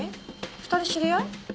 ２人知り合い？